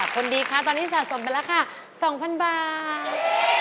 คนนี้ของดิคะสะสมเป็นราคา๒๐๐๐บาท